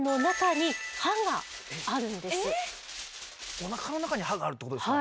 おなかの中に歯があるってことですか？